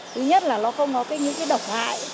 thứ nhất là nó không có những cái độc hại của người